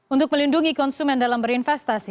untuk melindungi konsumen dalam berinvestasi